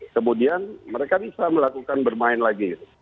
kemudian mereka bisa melakukan bermain lagi